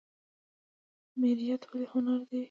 میریت ولې هنر دی؟